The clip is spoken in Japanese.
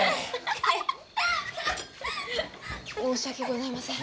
申し訳ございません。